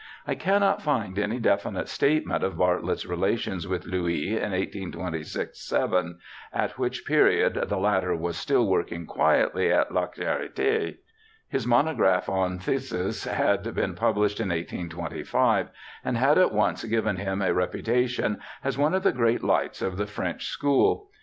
I cannot find any definite state ment of Bartlett's relations with Louis in 1826 7, ^^ which period the latter was still working quietly at La Charite. His monograph on phthisis had been published in 1825, and had at once given him a repu tation as one of the great lights of the French school.